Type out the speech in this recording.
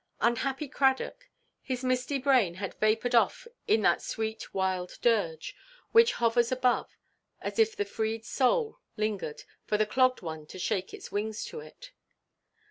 Unhappy Cradock! His misty brain had vapoured off in that sweet wild dirge, which hovers above, as if the freed soul lingered, for the clogged one to shake its wings to it.